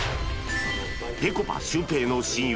ぺこぱシュウペイの親友